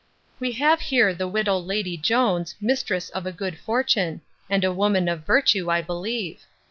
'We have here the widow Lady Jones, mistress of a good fortune; and a woman of virtue, I believe.